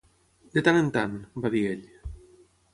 "De tant en tant", va dir ell.